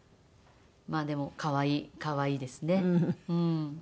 まあでも可愛い可愛いですねうん。